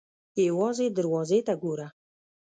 _ يوازې دروازې ته ګوره!